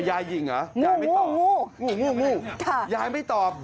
ยายหญิงเหรอยายไม่รอบ